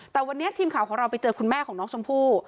แต่วันนี้ทีมข่าวของเราไปเจอคุณแม่ของน้องชมพู่